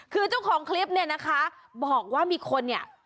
คือเจ้าของคลิปเนี่ยนะคะบอกว่ามีคนเนี่ย